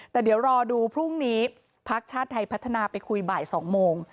แต่เดี๋ยวรอดูพรุ่งนี้พักชาติไทยพัฒนาไปคุยบ่าย๒โมง